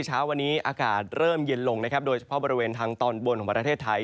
เช้าวันนี้อากาศเริ่มเย็นลงนะครับโดยเฉพาะบริเวณทางตอนบนของประเทศไทย